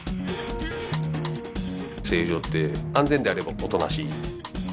製油所って安全であればおとなしい。